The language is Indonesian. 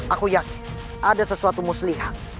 aku yakin ada sesuatu muslihat